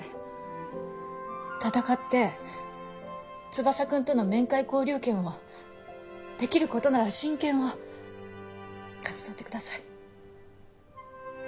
闘って翼くんとの面会交流権をできる事なら親権を勝ち取ってください。